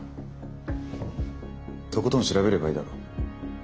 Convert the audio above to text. とことん調べればいいだろ。